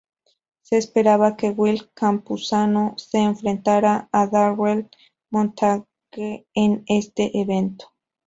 Se esperaba que Will Campuzano se enfrentara a Darrell Montague en este evento.